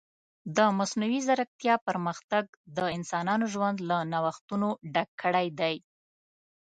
د مصنوعي ځیرکتیا پرمختګ د انسانانو ژوند له نوښتونو ډک کړی دی.